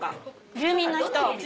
住民の人？